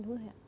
đúng rồi ạ